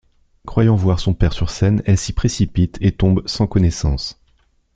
Croyant voir son propre père sur scène, elle s'y précipite et tombe sans connaissance.